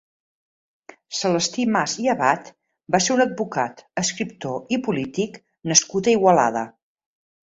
Celestí Mas i Abat va ser un advocat, escriptor i polític nascut a Igualada.